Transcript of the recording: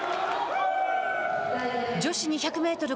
女子２００メートル